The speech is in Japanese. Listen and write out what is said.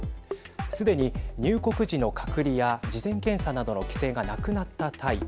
すでに入国時の隔離や事前検査などの規制がなくなったタイ。